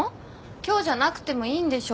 今日じゃなくてもいいんでしょ。